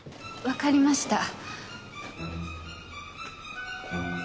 わかりました。